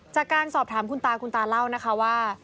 จากการสอบถามคุณตาคุณตาเล่านะคะว่า